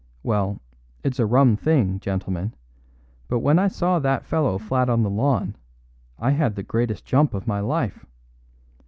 Well, it's a rum thing, gentlemen, but when I saw that fellow flat on the lawn I had the greatest jump of my life.